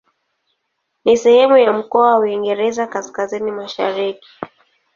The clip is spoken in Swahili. Ni sehemu ya mkoa wa Uingereza Kaskazini-Mashariki.